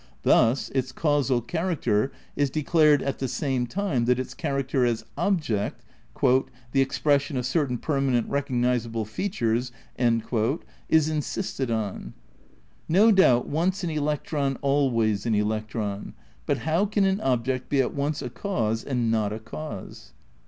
Thus its causal character is declared at the same time that its char acter as object ("the expression of certain permanent recognisable features") is insisted on. No doubt once an electron always an electron; but how can an object be at once a cause and not a cause